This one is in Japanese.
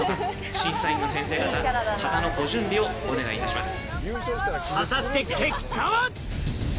審査員の先生方旗のご準備をお願いいたします。